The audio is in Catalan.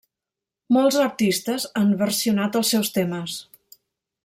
Molts artistes han versionat els seus temes.